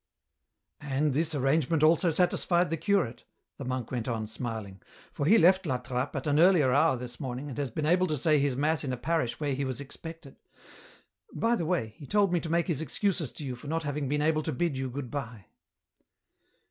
And this arrangement also satisfied the curate," the monk went on, smiling ;" for he left La Trappe at an earlier hour this morning and has been able to say his mass in a parish where he was expected. ... By the way, he told me to make his excuses to you for not having been able to bid you good bye."